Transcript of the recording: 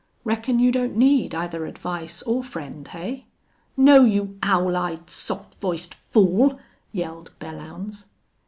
"Reckon you don't need either advice or friend, hey?" "No, you owl eyed, soft voiced fool!" yelled Belllounds.